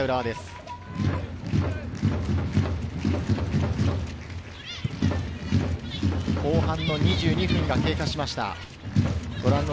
後半２２分が経過しました。